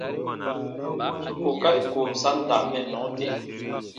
Su kookari ko sa n da mɛnnɔ de.